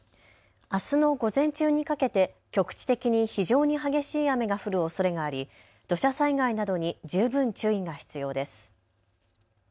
あすの午前中にかけて局地的に非常に激しい雨が降るおそれがあり土砂災害などに十分注意が必要です。